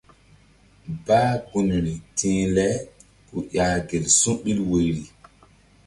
Bah gunri ti̧h le ku ƴah gel su̧ɓil woyri.